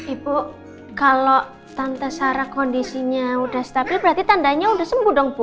ibu kalau tante sarah kondisinya sudah stabil berarti tandanya sudah sembuh dong bu